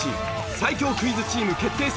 最強クイズチーム決定戦